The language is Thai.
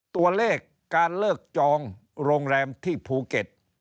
ตัวเลขการเลิกจองโรงแรมที่ภูเก็ต